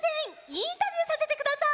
インタビューさせてください。